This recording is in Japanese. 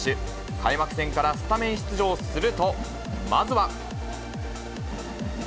開幕戦からスタメン出場すると、まずは。